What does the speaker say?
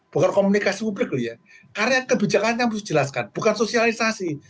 bukan komunikasi publik karena kebijakan harus dijelaskan bukan sosialisasi